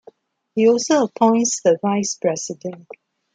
He also appoints the vice president.